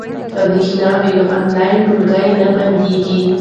که برېښنا وي نو آنلاین ټولګی نه بندیږي.